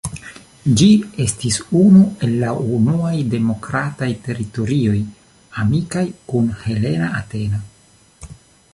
Ĝi estis unu el la unuaj demokrataj teritorioj amikaj kun helena Ateno.